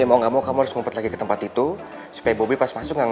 teman lama semuanya kucing di tempat ini pun propagasinya